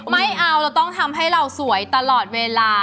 ไม่เอาเราต้องทำให้เราสวยตลอดเวลา